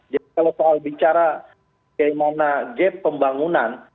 jadi kalau soal bicara kemana gap pembangunan